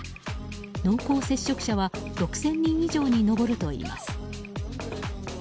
濃厚接触者は６０００人以上に上るといいます。